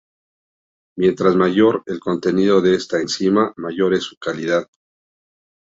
Mientras mayor el contenido de esta enzima, mayor es su calidad.